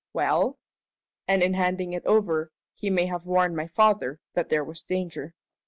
"Well?" "And in handing it over he may have warned my father that there was danger."